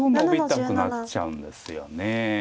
ノビたくなっちゃうんですよね。